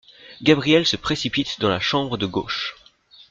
Gabriel se précipite dans la chambre de gauche.